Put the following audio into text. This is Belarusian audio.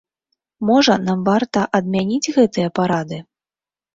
Можа, нам варта адмяніць гэтыя парады?